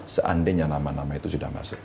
seandainya nama nama itu sudah masuk